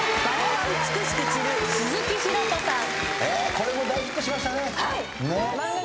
これも大ヒットしましたね。